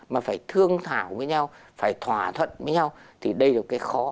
mà phải thương thảo với nhau phải thỏa thuận với nhau thì đây là một cái khó